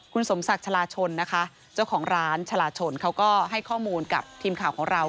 คุณสมศักดิ์ชะลาชนนะคะเจ้าของร้านชาลาชนเขาก็ให้ข้อมูลกับทีมข่าวของเรา